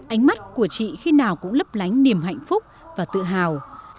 ánh mắt của chị khi nào cũng lấp lánh niềm hạnh phúc và tự hào